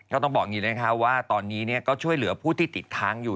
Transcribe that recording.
ต้องบอกอย่างนี้นะคะว่าตอนนี้ก็ช่วยเหลือผู้ที่ติดค้างอยู่